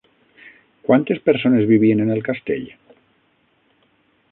Quantes persones vivien en el castell?